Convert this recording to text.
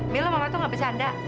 milo mama tuh gak bercanda